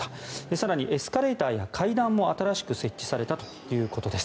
更にエスカレーターや階段も新しく設置されたということです。